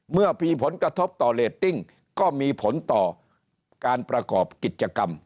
เมื่อมีผลกระทบต่อเรตติ้งก็มีผลต่อการประกอบกิจกรรม